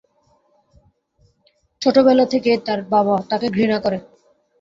ছেলেবেলা থেকেই তার বাবা তাকে ঘৃণা করে।